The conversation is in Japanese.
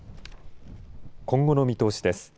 今後の見通しです。